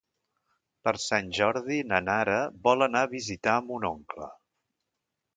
Per Sant Jordi na Nara vol anar a visitar mon oncle.